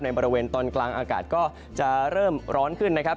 บริเวณตอนกลางอากาศก็จะเริ่มร้อนขึ้นนะครับ